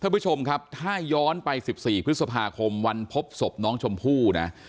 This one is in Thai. ท่านผู้ชมครับถ้าย้อนไป๑๔พฤษภาคมวันพบศพน้องชมพู่นะ